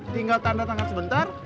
tinggal tanda tangan sebentar